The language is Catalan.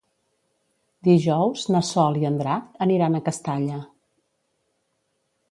Dijous na Sol i en Drac aniran a Castalla.